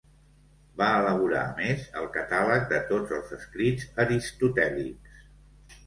Va elaborar, a més, el catàleg de tots els escrits aristotèlics.